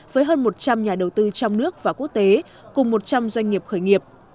với hơn một trăm linh nhà đầu tư trong nước và quốc tế cùng một trăm linh doanh nghiệp khởi nghiệp